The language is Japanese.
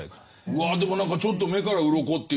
うわでも何かちょっと目からうろこというか。